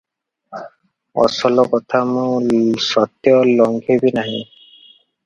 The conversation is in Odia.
ଅସଲ କଥା ମୁଁ ସତ୍ୟ ଲଙ୍ଘିବି ନାହିଁ ।